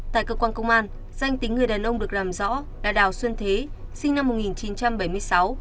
tại cơ quan công an danh tính người đàn ông được làm rõ là đào xuân thế sinh năm một nghìn chín trăm bảy mươi sáu